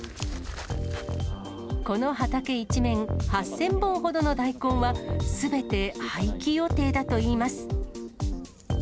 この畑一面、８０００本ほどの大根はすべて廃棄予定だといいます。